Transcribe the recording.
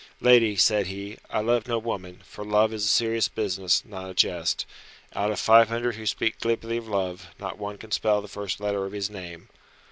"Lady," said he, "I love no woman, for love is a serious business, not a jest. Out of five hundred who speak glibly of love, not one can spell the first letter of his name.